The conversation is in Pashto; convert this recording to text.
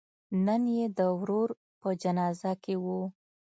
نن یې د ورور په جنازه کې و.